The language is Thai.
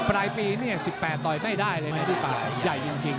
ปลายปีเนี่ย๑๘ต่อยไม่ได้เลยนะพี่ป่าใหญ่จริง